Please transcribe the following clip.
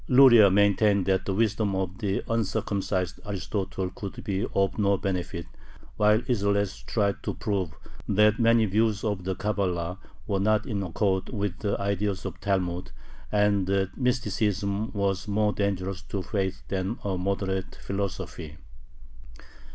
Luria maintained that the wisdom of the "uncircumcised Aristotle" could be of no benefit, while Isserles tried to prove that many views of the Cabala were not in accord with the ideas of the Talmud, and that mysticism was more dangerous to faith than a moderate philosophy.